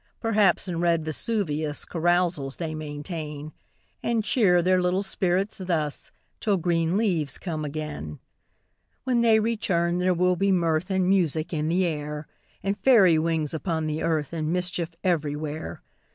Perhaps, in red Vesuvius Carousals they maintain ; And cheer their little spirits thus, Till green leaves come again. When they return, there will be mirth And music in the air, And fairy wings upon the earth, And mischief everywhere.